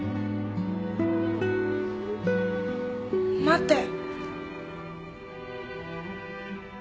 待って。